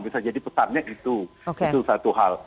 bisa jadi pesannya itu itu satu hal